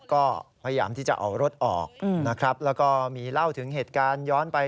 ก็พยายามที่จะเอารถออกนะครับแล้วก็มีเล่าถึงเหตุการณ์ย้อนไป